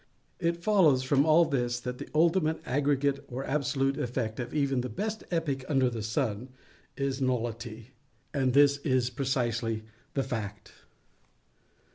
It follows from all this that the ultimate, aggregate, or absolute effect of even the best epic under the sun, is a nullity:—and this is precisely the fact.